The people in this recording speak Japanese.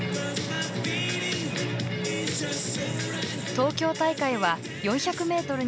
東京大会は４００ｍにも出場。